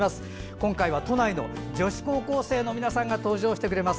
今回は都内の女子高校生の皆さんが登場してくれます。